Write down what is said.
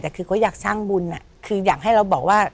แต่คือเขาอยากสร้างบุญคืออยากให้เราบอกว่า